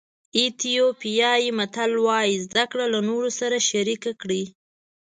ایتیوپیایي متل وایي زده کړه له نورو سره شریک کړئ.